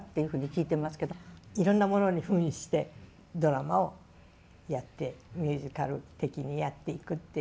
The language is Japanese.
いろんなものにふんしてドラマをやってミュージカル的にやっていくっていう。